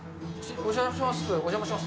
お邪魔します。